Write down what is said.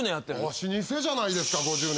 老舗じゃないですか５０年ってね。